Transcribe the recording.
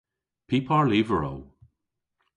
Py par lyver o?